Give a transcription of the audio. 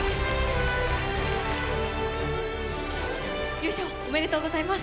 優勝おめでとうございます。